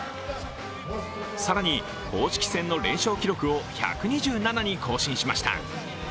更に公式戦の連勝記録を１２７に更新しました。